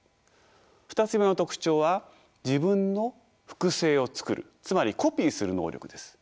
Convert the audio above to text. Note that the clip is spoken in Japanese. ２つ目の特徴は自分の複製を作るつまりコピーする能力です。